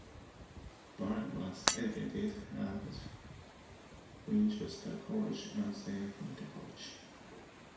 Baring was educated at Winchester College and then Eton College.